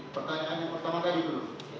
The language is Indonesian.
pertanyaan pertama tadi dulu